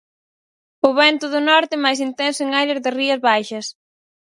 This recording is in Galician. O vento do norte máis intenso en áreas das Rías Baixas.